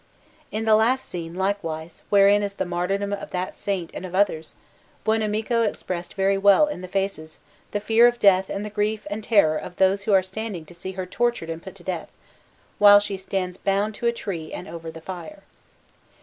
In the last scene, likewise, wherein is the martyrdom of that Saint and of others, Buonamico expressed very well in the faces the fear of death and the grief and terror of those who are standing to see her tortured and put to death, while she stands bound to a tree and over the fire.